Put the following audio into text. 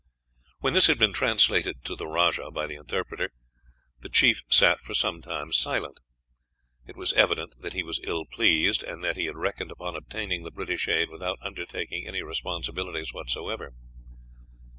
When this had been translated to the rajah by the interpreter, the chief sat for some time silent. It was evident that he was ill pleased, and that he had reckoned upon obtaining the British aid without undertaking any responsibilities whatever.